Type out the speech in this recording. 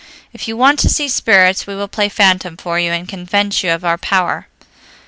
If you want to see spirits we will play phantom for you, and convince you of our power."